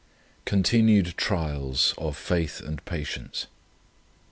CONTINUED TRIALS OF FAITH AND PATIENCE.